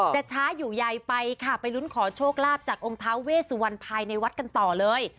ช้าอยู่ใยไปค่ะไปลุ้นขอโชคลาภจากองค์ท้าเวสุวรรณภายในวัดกันต่อเลย